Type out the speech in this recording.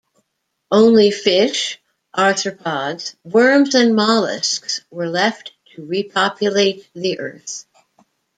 Only fish, arthropods, worms and mollusks were left to repopulate the Earth.